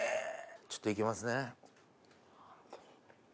ちょっと行きますね。